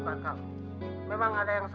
saya kerjasama dengan wanita